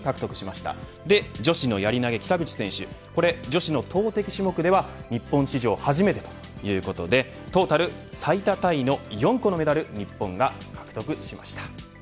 そして女子のやり投げ北口選手女子の投てき種目では日本史上初めてということでトータル最多タイの４個のメダル日本が獲得しました。